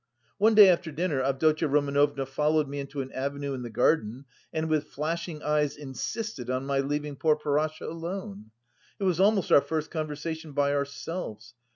One day after dinner Avdotya Romanovna followed me into an avenue in the garden and with flashing eyes insisted on my leaving poor Parasha alone. It was almost our first conversation by ourselves.